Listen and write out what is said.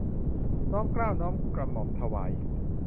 น้อมเกล้าน้อมกระหม่อมถวาย